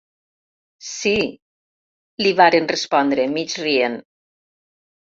-Sí…- li varen respondre, mig rient.